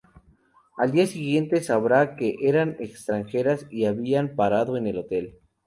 Al día siguiente sabrá que eran extranjeras y habían parado en el hotel.